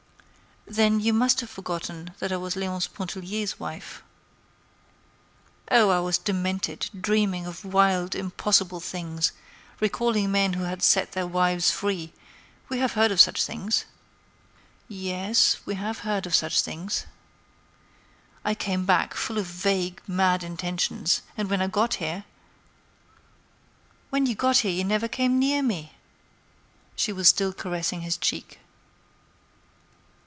"Then you must have forgotten that I was Léonce Pontellier's wife." "Oh! I was demented, dreaming of wild, impossible things, recalling men who had set their wives free, we have heard of such things." "Yes, we have heard of such things." "I came back full of vague, mad intentions. And when I got here—" "When you got here you never came near me!" She was still caressing his cheek.